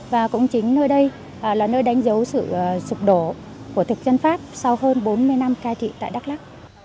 và cũng chính nơi đây là nơi đánh dấu sự sụp đổ của thực dân pháp sau hơn bốn mươi năm cai trị tại đắk lắc